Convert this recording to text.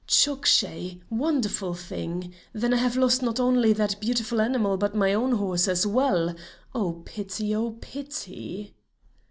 "Chok shai! wonderful thing. Then I have lost not only that beautiful animal but my own horse as well. Oh pity! Oh pity!"